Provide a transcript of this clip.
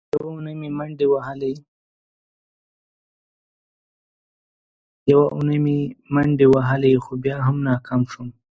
یوه اونۍ مې منډې ووهلې، خو بیا هم ناکام شوم.